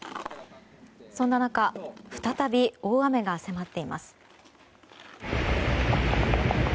そんな中再び大雨が迫っています。